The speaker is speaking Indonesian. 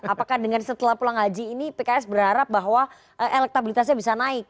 apakah dengan setelah pulang haji ini pks berharap bahwa elektabilitasnya bisa naik